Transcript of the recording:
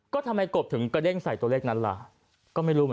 ก็ทำไมกบถึงกระเด้งใส่ตัวเลขนั้นล่ะก็ไม่รู้